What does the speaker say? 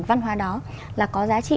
văn hóa đó là có giá trị